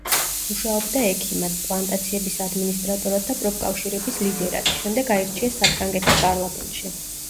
მუშაობდა ექიმად, პლანტაციების ადმინისტრატორად და პროფკავშირების ლიდერად, შემდეგ აირჩიეს საფრანგეთის პარლამენტში.